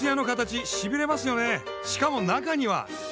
しかも中には。